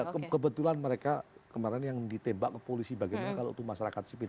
kebetulan mereka kemarin yang ditembak ke polisi bagaimana kalau itu masyarakat sipil